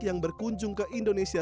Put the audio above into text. yang berkunjung ke indonesia